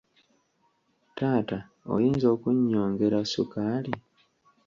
Taata, oyinza okunyongera sukaali?